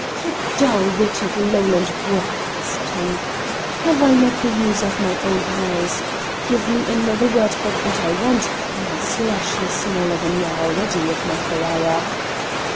"Ye dull witted Lowland brock!" said he; "have I no' the use of my own eyes? Give me another word but what I want and I'll slash ye smaller than ye are already with my Ferrara."